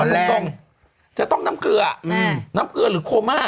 ตรงจะต้องน้ำเกลือน้ำเกลือหรือโคม่า